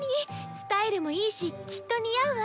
スタイルもいいしきっと似合うわ。